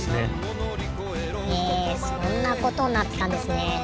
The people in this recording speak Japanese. へえそんなことになってたんですね。